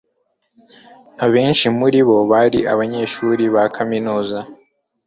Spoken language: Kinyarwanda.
abenshi muri bo bari abanyeshuri ba kaminuza